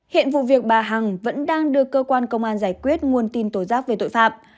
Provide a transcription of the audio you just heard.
hiện vụ việc bà hằng vẫn đang đưa cơ quan công an giải quyết nguồn tin tố giác về tội phạm